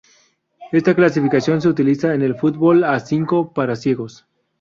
Esta clasificación se utiliza en el fútbol a cinco para ciegos.